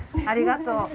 ありがとう。